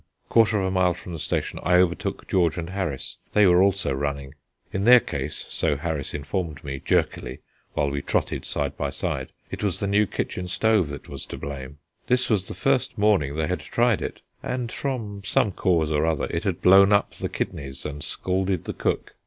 Quarter of a mile from the station I overtook George and Harris; they were also running. In their case so Harris informed me, jerkily, while we trotted side by side it was the new kitchen stove that was to blame. This was the first morning they had tried it, and from some cause or other it had blown up the kidneys and scalded the cook.